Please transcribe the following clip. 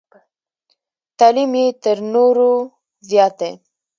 تعلیم یې تر نورو زیات دی.